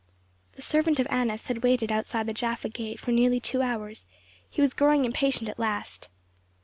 The servant of Annas had waited outside the Jaffa gate for nearly two hours; he was growing impatient at last.